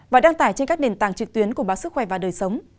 và đăng tải trên các nền tảng trực tuyến của báo sức khỏe và đời sống